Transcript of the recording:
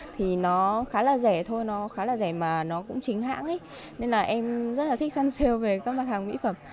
thì nó khá là rẻ thôi nó khá là rẻ mà nó cũng chính hãng nên là em rất là thích săn sale về các mặt hàng mỹ phẩm